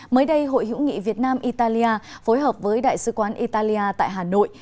mới đây hội hữu nghị việt nam italia phối hợp với đại sứ quán italia tại hà nội